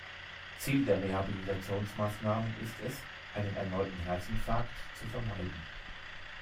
Ziel der Rehabilitationsmaßnahmen ist es, einen erneuten Herzinfarkt zu vermeiden.